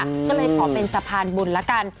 ก็เลยขอเป็นสะพานบุญละกัน